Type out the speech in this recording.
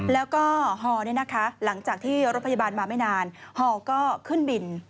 แล้วก็ฮอหลังจากที่รถพยาบาลมาไม่นานฮอก็ขึ้นบิน